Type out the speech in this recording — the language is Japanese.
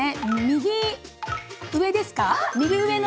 右上ですか。